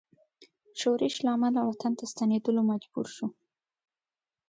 ښورښ له امله وطن ته ستنېدلو مجبور شو.